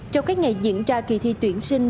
trong các ngày diễn ra kỳ thi tuyển sinh